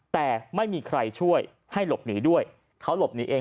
แต่ไม่มีใครช่วยให้หลบหนีด้วยเขาหลบหนีเอง